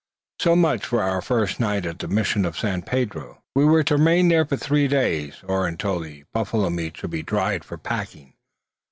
So much for our first night at the mission of San Pedro. We were to remain for three days, or until the buffalo meat should be dried for packing.